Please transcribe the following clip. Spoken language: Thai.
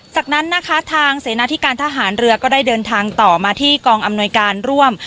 จากนั้นนะคะทางเสนาธิการทหารเรือก็ได้เดินทางต่อมาที่กองอำนวยการร่วม